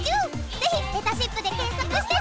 ぜひ「めたしっぷ」で検索してね！